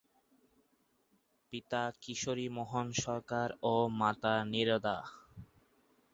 পিতা কিশোরী মোহন সরকার ও মাতা নীরদা।